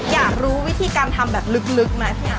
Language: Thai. อยากรู้วิธีการทำแบบลึกไหมพี่อาร์